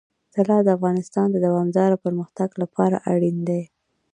طلا د افغانستان د دوامداره پرمختګ لپاره اړین دي.